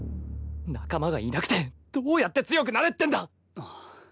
仲間がいなくてどうやって強くなれってんだ。